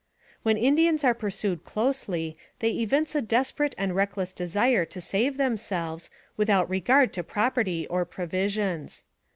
When Indians are pursued closely, they evince a desperate and reckless desire to save themselves, with out regard to property or provisions.